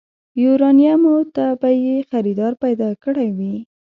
يوارنيمو ته به يې خريدار پيدا کړی وي.